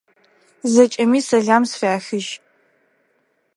Зэкӏэми сэлам сфяхыжь!